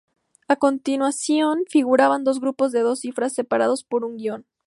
A continuación figuraban dos grupos de dos cifras separados por un guion.